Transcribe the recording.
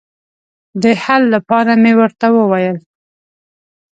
د حل لپاره مې ورته وویل.